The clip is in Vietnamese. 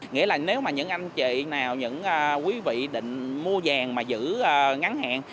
nghĩa là nếu mà những anh chị nào những quý vị định mua vàng mà giữ ngắn hạn